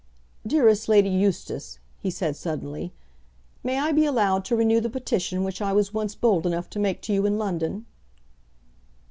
"Dearest Lady Eustace," he said suddenly, "may I be allowed to renew the petition which I was once bold enough to make to you in London?"